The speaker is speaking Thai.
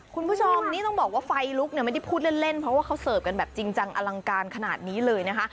คุณผู้ชมนี่ต้องบอกว่าไฟลุกเนี่ยไม่ได้พูดเล่นเพราะว่าเขาเสิร์ฟกันแบบจริงจังอลังการขนาดนี้เลยนะคะ